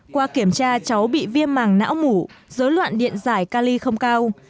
qua kiểm tra cháu bị viêm màng não mủ dối loạn điện giải cali không cao